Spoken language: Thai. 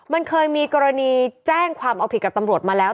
มันเคยมีกรณีแจ้งความเอาผิดกับตำรวจมาแล้ว